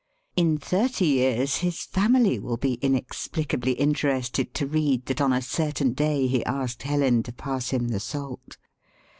In thirty years his family will be inexplicably interested to read that on a certain day he arsked Helen to pass him the salt.